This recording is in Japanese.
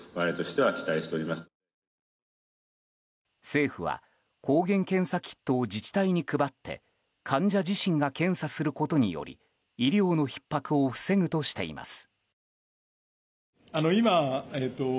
政府は抗原検査キットを自治体に配って患者自身が検査することにより医療のひっ迫を防ぐとしています。